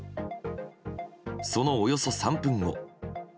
そのおよそ３分後。